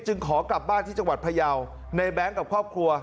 จึงขอกลับบ้านที่จพระยาวในแบงก์กับครอบครัว